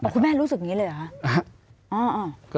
คุณแม่รู้สึกอย่างนี้เลยเหรอคะ